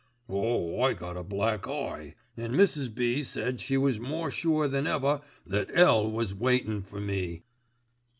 "Oh, I got a black eye, an' Mrs. B. said she was more sure than ever that 'ell was waitin' for me.